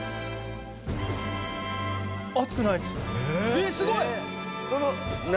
えっすごい！